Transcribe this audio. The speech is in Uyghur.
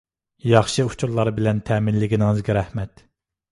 ياخشى ئۇچۇرلار بىلەن تەمىنلىگىنىڭىزگە رەھمەت.